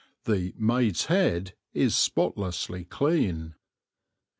The "Maid's Head" is spotlessly clean.